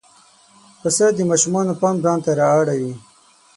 پسه د ماشومانو پام ځان ته را اړوي.